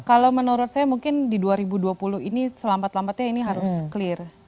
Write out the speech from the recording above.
kalau menurut saya mungkin di dua ribu dua puluh ini selampat lampatnya ini harus clear